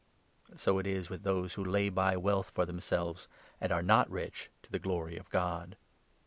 So it is with those who lay by wealth for themselves and are not rich to the glory of God."